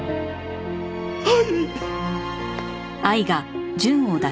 愛！